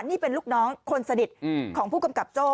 นี่เป็นลูกน้องคนสนิทของผู้กำกับโจ้